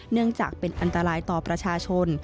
เนื่องจากเป็นอันตรายต่อประชาชน